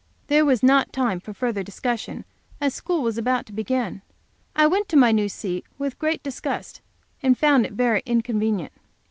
There was no time for further discussion, as school was about to begin. I went to my new seat with great disgust, and found it very inconvenient.